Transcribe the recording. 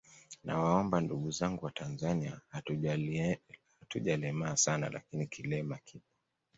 Nawaomba ndugu zangu watanzania hatujalemaa sana lakini kilema kipo